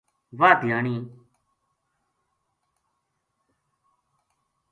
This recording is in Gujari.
واہ دھیانی